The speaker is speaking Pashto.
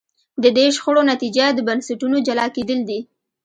د دې شخړو نتیجه د بنسټونو جلا کېدل دي.